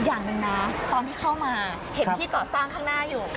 อย่างหนึ่งนะตอนที่เข้ามาเห็นที่ก่อสร้างข้างหน้าอยู่